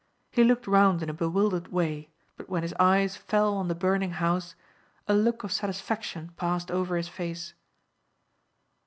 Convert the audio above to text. He looked round in a bewildered way, but when his eyes fell on the burning house, a look of satisfaction passed over his face.